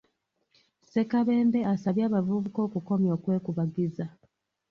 Ssekabembe asabye abavubuka okukomya okwekubagiza,